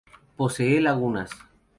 Posee lagunas.